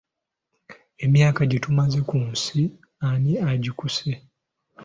Emyaka gye tumaze ku nsi ani agikkuse?